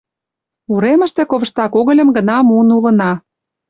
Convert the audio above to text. Уремыште ковышта когыльым гына муын улына.